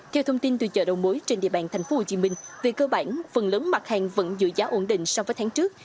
theo thông tin từ chợ đầu mối trên địa bàn tp hcm về cơ bản phần lớn mặt hàng vẫn giữ giá ổn định so với tháng trước